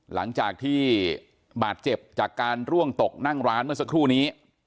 หลังจากที่บาดเจ็บจากการร่วงตกนั่งร้านเมื่อสักครู่นี้